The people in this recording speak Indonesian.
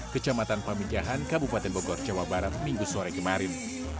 kecamatan pamijahan kabupaten bogor jawa barat minggu sore kemarin